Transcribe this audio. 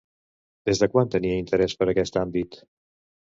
Des de quan tenia interès per aquest àmbit?